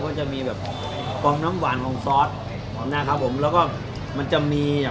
ก็จะมีแบบความน้ำหวานของซอสนะครับผมแล้วก็มันจะมีอ่ะ